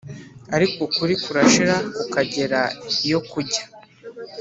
ariko ukuri kurashira kukagera iyo kujya.